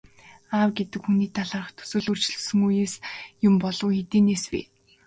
Аав гэдэг хүний талаарх төсөөлөл өөрчлөгдсөн үеэс болсон юм болов уу, хэдийнээс вэ?